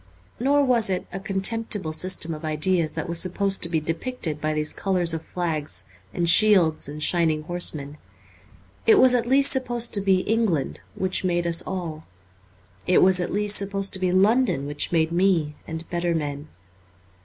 Nor was it a contemptible system of ideas that was supposed to be depicted by these colours of flags and shields and shining horsemen. It was at least supposed to be England, which made us all ; it was at least supposed to be London, which made me and better men.